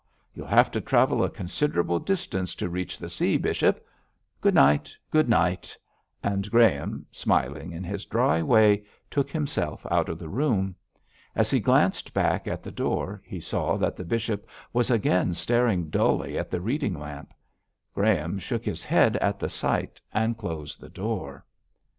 You'll have to travel a considerable distance to reach the sea, bishop. Good night; good night,' and Graham, smiling in his dry way, took himself out of the room. As he glanced back at the door he saw that the bishop was again staring dully at the reading lamp. Graham shook his head at the sight, and closed the door.